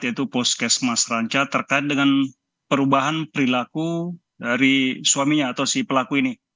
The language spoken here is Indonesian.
yaitu puskesmas ranca terkait dengan perubahan perilaku dari suaminya atau si pelaku ini